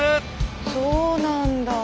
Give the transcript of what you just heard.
そうなんだ。